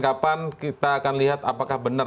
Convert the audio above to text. kapan kita akan lihat apakah benar